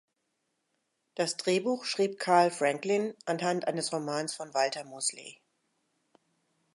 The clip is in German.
Das Drehbuch schrieb Carl Franklin anhand eines Romans von Walter Mosley.